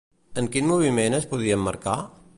En quin moviment es podia emmarcar?